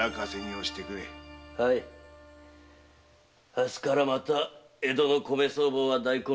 明日からまた江戸の米相場は大混乱。